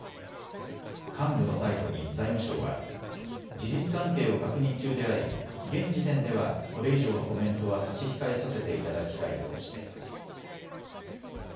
幹部の逮捕に財務省は事実関係を確認中であり現時点ではこれ以上のコメントは差し控えさせていただきたいとしています。